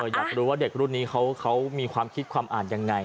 อยากรู้ว่าเด็กรุ่นนี้เขามีความคิดความอ่านยังไง